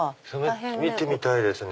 見てみたいですね。